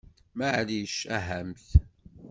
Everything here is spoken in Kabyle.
Maɛlic, ahamt!